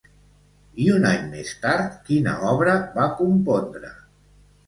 I un any més tard quina obra va compondre?